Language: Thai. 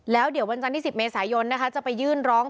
แล้วเดี๋ยววันจันทร์ที่๑๐เมษายนนะคะจะไปยื่นร้อง